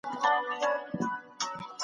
اوګوست کنت د ټولنپوهنې پلار بلل کيږي.